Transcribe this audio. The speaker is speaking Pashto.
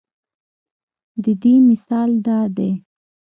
د دې مثال دا دے